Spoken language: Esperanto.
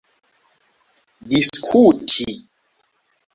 diskuti